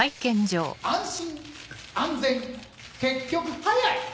「安心安全結局速い！」